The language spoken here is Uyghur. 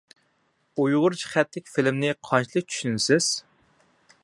ئۇيغۇرچە خەتلىك فىلىمنى قانچىلىك چۈشىنىسىز؟